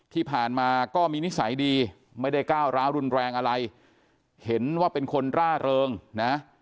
ที่ผ่านมาก็มีนิสัยดีไม่ได้ก้าวร้าวรุนแรงอะไรเห็นว่าเป็นคนร่าเริงนะ